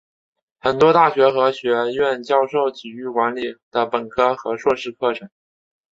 很多大学和学院教授体育管理的本科和硕士课程。